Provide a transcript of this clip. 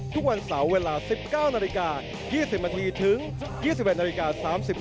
ทุกวันเสาร์เวลา๑๙น๒๐นถึง๒๑น๓๐น